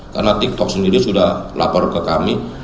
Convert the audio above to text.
karena tiktok sendiri sudah lapor ke kami